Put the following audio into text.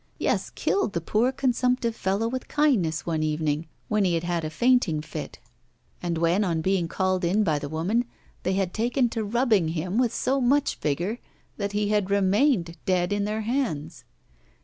Yes, killed the poor consumptive fellow with kindness one evening when he had had a fainting fit, and when, on being called in by the woman, they had taken to rubbing him with so much vigour that he had remained dead in their hands.